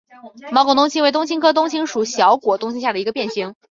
毛梗冬青为冬青科冬青属小果冬青下的一个变型。